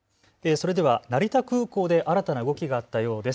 それでは成田空港で新たな動きがあったようです。